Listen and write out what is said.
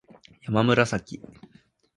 やまむらさき